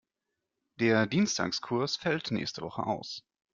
Der Dienstagskurs fällt nächste Woche aus.